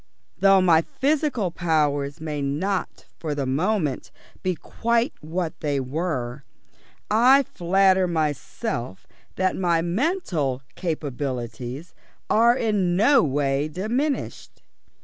Though my physical powers may not for the moment be quite what they were, I flatter myself that my mental capabilities are in no way diminished."